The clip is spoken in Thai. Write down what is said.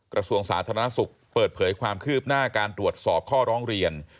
กระทรวงสาธารณสุขเปิดเผยความคืบหน้าการตรวจสอบข้อร้องเรียน